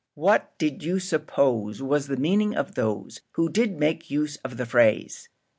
"What did you suppose was the meaning of those who did make use of the phrase?"